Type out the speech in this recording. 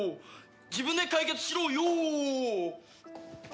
自分で解決しろよ！